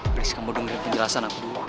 please kamu dengerin penjelasan aku dulu